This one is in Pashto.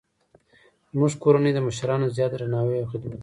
زموږ کورنۍ د مشرانو زیات درناوی او خدمت کوي